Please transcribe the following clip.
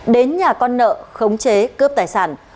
đến nhà con nợ khống chế cướp tài sản